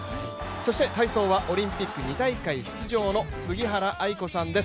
そして体操はオリンピック２大会連続出場の杉原愛子さんです。